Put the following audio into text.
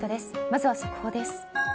まずは速報です。